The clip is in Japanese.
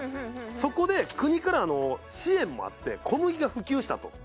そこで国からの支援もあって小麦が普及したと。